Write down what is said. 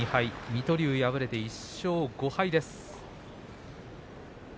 水戸龍、敗れて１勝５敗です。